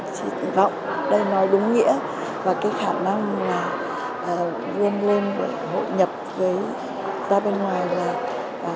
chỉ tự vọng đây nói đúng nghĩa và cái khả năng là vươn vươn hội nhập với ra bên ngoài là